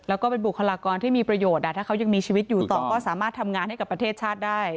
แล้วก็เป็นบุคลากรที่มีประโยชน์ถ้าเขายังมีชีวิตอยู่ต่อก็สามารถทำงานให้กับประเทศชาติได้